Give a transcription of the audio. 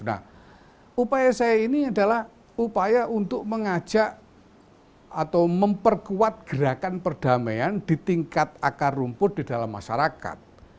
nah upaya saya ini adalah upaya untuk mengajak atau memperkuat gerakan perdamaian di tingkat akar rumput di dalam masyarakat